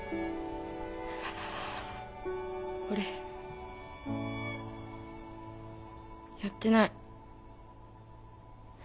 俺やってない。